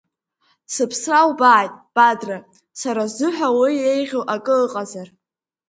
Сыԥсра убааит, Бадра, сара сзыҳәа уи еиӷьу акы ыҟазар…